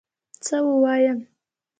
څه ووایم